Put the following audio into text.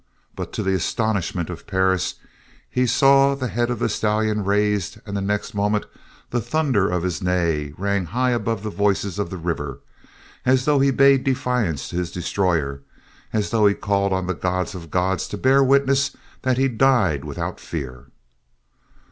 But to the astonishment of Perris, he saw the head of the stallion raised, and the next moment the thunder of his neigh rang high above the voices of the river, as though he bade defiance to his destroyer, as though he called on the God of Gods to bear witness that he died without fear.